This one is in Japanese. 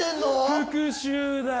復讐だよ。